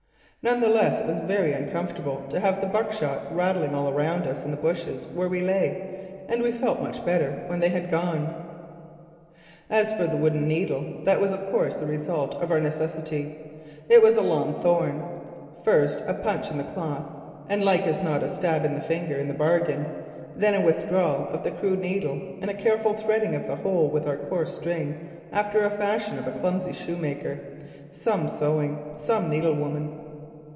None the less it was very uncomfortable to have the buckshot rattling all around us in the bushes where we lay and we felt much better when they had gone. As for the wooden needle: That was of course the result of our necessity. It was a long thorn first, a punch in the cloth and like as not a stab in the finger in the bargain, then a withdrawal of the crude needle and a careful threading of the hole with our coarse string, after the fashion of a clumsy shoemaker. Some sewing! Some needlewoman!